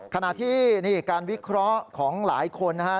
ขณะที่นี่การวิเคราะห์ของหลายคนนะครับ